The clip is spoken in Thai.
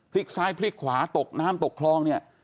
พลิกซ้ายพลิกขวาน้ำตกคลอง